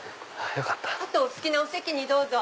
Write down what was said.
お好きなお席にどうぞ。